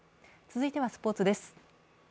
続いては、スポーツです。